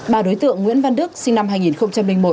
ba đối tượng nguyễn văn đức sinh năm hai nghìn một